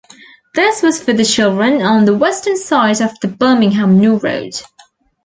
This was for the children on the western side of the Birmingham New Road.